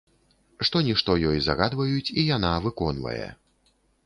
Што-нішто ёй загадваюць, і яна выконвае.